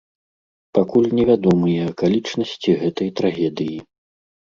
Пакуль невядомыя акалічнасці гэтай трагедыі.